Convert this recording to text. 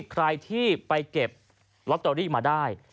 ใครที่ไปเก็บลอตเตอรี่มาได้